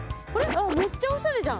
めっちゃおしゃれじゃん。